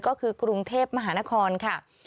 ก็คือกรุงเทพมหานครค่ะ